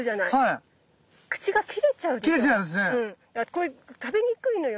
だからこれ食べにくいのよ